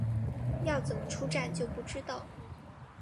要怎么出站就不知道